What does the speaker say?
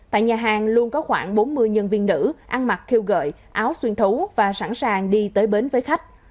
tại nhà hàng luôn có khoảng bốn mươi nhân viên nữ ăn mặc kêu gợi áo xuyên thú và sẵn sàng đi tới bến với khách